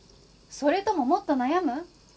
それとももっと悩む？